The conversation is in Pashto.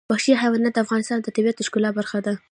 وحشي حیوانات د افغانستان د طبیعت د ښکلا برخه ده.